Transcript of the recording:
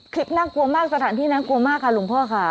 น่ากลัวมากสถานที่น่ากลัวมากค่ะหลวงพ่อค่ะ